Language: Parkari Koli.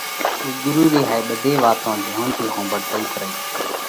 اُو ڳرُو ري هائي ٻڌي واتون ڌيونَ ٿِي ۿومڀۯتئِت رئي۔